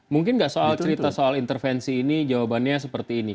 mungkin nggak soal cerita soal intervensi ini jawabannya seperti ini